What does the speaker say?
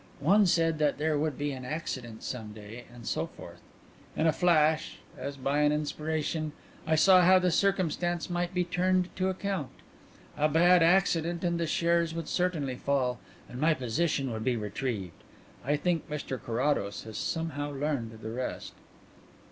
One said that there would be an accident some day, and so forth. In a flash as by an inspiration I saw how the circumstance might be turned to account. A bad accident and the shares would certainly fall and my position would be retrieved. I think Mr Carrados has somehow learned the rest."